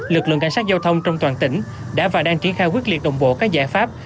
lực lượng cảnh sát giao thông trong toàn tỉnh đã và đang triển khai quyết liệt đồng bộ các giải pháp